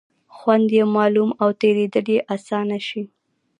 خوند یې معلوم او تېرېدل یې آسانه شي.